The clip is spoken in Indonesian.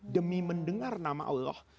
demi mendengar nama allah